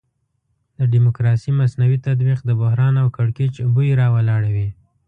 د ډیموکراسي مصنوعي تطبیق د بحران او کړکېچ بوی راولاړوي.